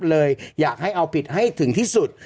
เลยอยากให้เอาผิดให้ถึงที่สุด